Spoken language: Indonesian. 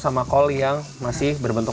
sama kol yang masih berbentuk